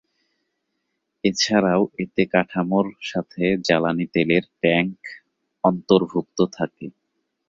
এছাড়াও এতে কাঠামোর সাথে জ্বালানি তেলের ট্যাংক অন্তর্ভুক্ত থাকে।